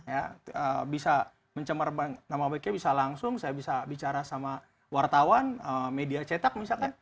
ya bisa mencemar nama baiknya bisa langsung saya bisa bicara sama wartawan media cetak misalkan